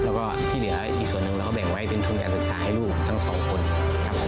แล้วก็ที่เหลืออีกส่วนหนึ่งเราก็แบ่งไว้เป็นทุนการศึกษาให้ลูกทั้งสองคนครับ